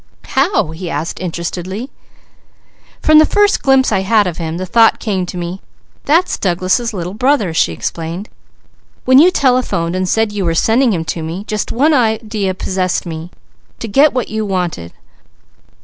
"How?" he asked interestedly. "From the first glimpse I had of him, the thought came to me, 'That's Douglas' Little Brother'" she explained. "When you telephoned and said you were sending him to me, just one idea possessed me: to get what you wanted.